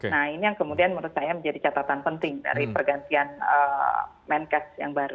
nah ini yang kemudian menurut saya menjadi catatan penting dari pergantian menkes yang baru